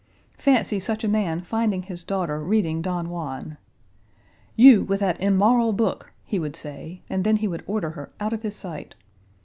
Fancy such a man finding his daughter reading Don Juan. 'You with that immoral book!' he would say, and then he would order her out of his sight.